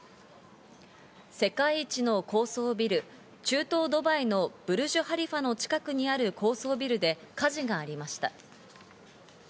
世界一の高層ビル、中東ドバイのブルジュ・ハリファの近くにある高層ビルで火事がありました。